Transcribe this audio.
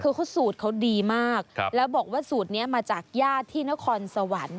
คือเขาสูตรเขาดีมากแล้วบอกว่าสูตรนี้มาจากญาติที่นครสวรรค์